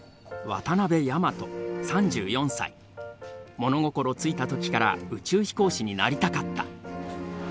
物心付いた時から宇宙飛行士になりたかった。